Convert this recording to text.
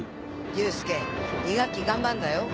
佑介２学期頑張んだよ。